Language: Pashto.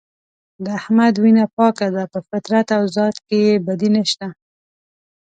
د احمد وینه پاکه ده په فطرت او ذات کې یې بدي نشته.